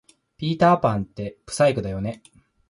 ピーターパンって不細工だよね